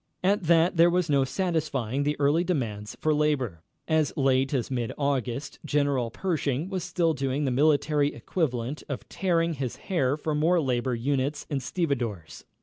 At that there was no satisfying the early demands for labor. As late as mid August General Pershing was still doing the military equivalent of tearing his hair for more labor units and stevedores.